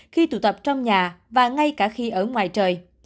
khi tụ tập trong nhà và ngay cả khi ở ngoài trời